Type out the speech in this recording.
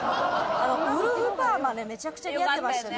あのウルフパーマめちゃくちゃ似合ってましたね